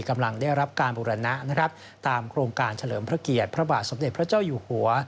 กำลังได้รับการบุรณะนะครับตามโครงการเฉลิมพระเกียรติพระบาทสมเด็จพระเจ้าอยู่หัว